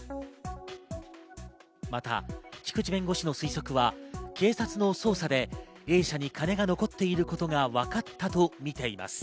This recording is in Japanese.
また菊地弁護士の推測は警察の捜査でＡ社に金が残っていることがわかったと見ています。